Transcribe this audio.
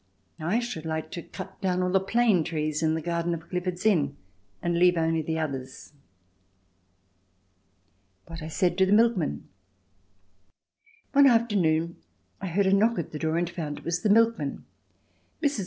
I should like to cut down all the plane trees in the garden of Clifford's Inn and leave only the others. What I Said to the Milkman One afternoon I heard a knock at the door and found it was the milkman. Mrs.